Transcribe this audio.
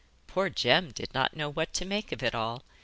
Poor Jem did not know what to make of it all.